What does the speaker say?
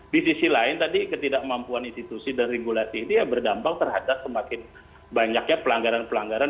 di sisi lain tadi ketidakmampuan institusi dan regulasi ini ya berdampak terhadap semakin banyaknya pelanggaran pelanggaran